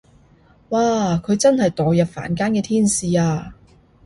哇佢真係墮入凡間嘅天使啊